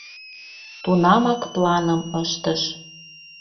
Тунамак планым ыштыш.